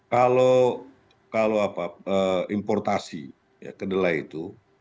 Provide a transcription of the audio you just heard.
kalau importasi kedelai itu